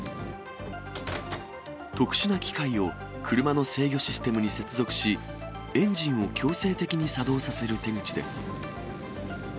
特殊な機械を、車の制御システムに接続し、エンジンを強制的に作動させる手口です。